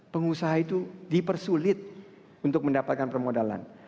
pengusaha itu dipersulit untuk mendapatkan permodalan